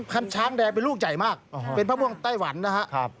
คันช้างแดงเป็นลูกใหญ่มากเป็นมะม่วงไต้หวันนะครับ